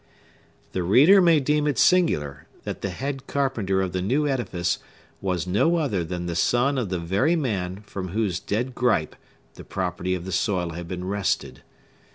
The reader may deem it singular that the head carpenter of the new edifice was no other than the son of the very man from whose dead gripe the property of the soil had been wrested.